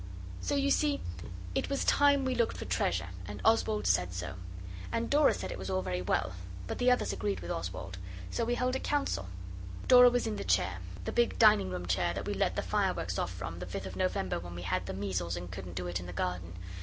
So you see it was time we looked for treasure and Oswald said so, and Dora said it was all very well. But the others agreed with Oswald. So we held a council. Dora was in the chair the big dining room chair, that we let the fireworks off from, the Fifth of November when we had the measles and couldn't do it in the garden.